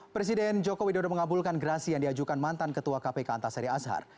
presiden joko widodo mengabulkan gerasi yang diajukan mantan ketua kpk antasari azhar